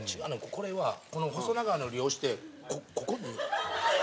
これはこの細長いのを利用してここに。